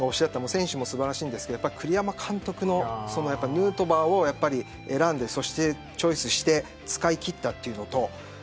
選手も素晴らしいんですけど栗山監督がヌートバーを選んでチョイスして使い切ったということ。